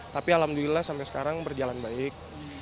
tapi alhamdulillah sampai sekarang berjalan baik